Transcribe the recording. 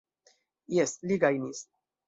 Jes, li gajnis.